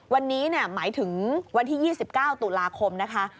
วันนี้หมายถึงวันที่๒๙ตุลาคมนะคะ